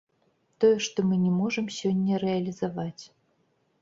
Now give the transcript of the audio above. Тое, што мы не можам сёння рэалізаваць.